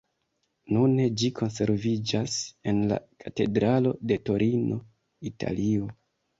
Nune ĝi konserviĝas en la katedralo de Torino, Italio.